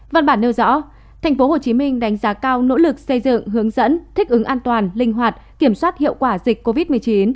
văn bản nêu rõ tp hcm đánh giá cao nỗ lực xây dựng hướng dẫn thích ứng an toàn linh hoạt kiểm soát hiệu quả dịch covid một mươi chín